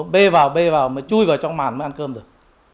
bê vào bê vào chui vào trong màn mới ăn cơm rồi